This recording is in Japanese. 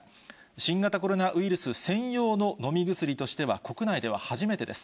新型コロナウイルス専用の飲み薬としては国内では初めてです。